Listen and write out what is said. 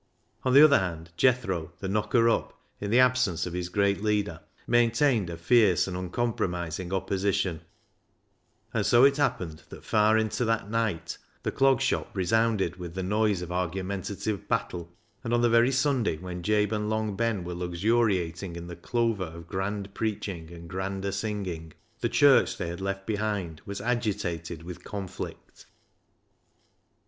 On the other hand, Jethro, the knocker up, in the absence of his great leader, maintained a fierce and uncompromising opposition, and so it happened that far into that night the Clog Shop resounded with the noise of argumentative battle, and on the very Sunday when Jabe and Long Ben were luxuriating in the clover of grand preaching and grander singing, the church they had left behind was agitated with conflict.